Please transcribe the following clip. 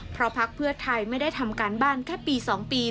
เพราะพักเพื่อไทยไม่ได้ทำการบ้านแค่ปี๒ปี